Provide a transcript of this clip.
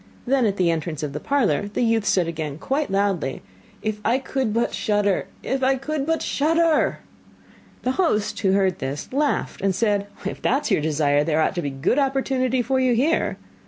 Then at the entrance of the parlour the youth again said quite loudly: 'If I could but shudder! If I could but shudder!' The host who heard this, laughed and said: 'If that is your desire, there ought to be a good opportunity for you here.